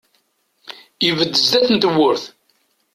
Ibedd sdat n tewwurt.